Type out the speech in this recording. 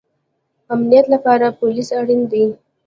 د امنیت لپاره پولیس اړین دی